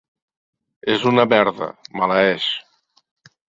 És una merda, maleeix.